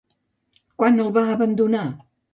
Quan el va abandonar?